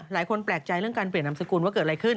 หลายคนแปลกใจเรื่องการเปลี่ยนนามสกุลว่าเกิดอะไรขึ้น